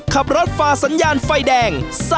ขับรถฝ่าสัญญาณไฟแดง